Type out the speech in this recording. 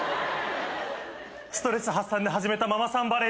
ストレス発散で始めたママさんバレーでね